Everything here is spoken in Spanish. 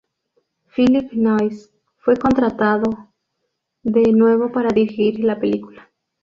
Phillip Noyce fue contratado de nuevo para dirigir la película.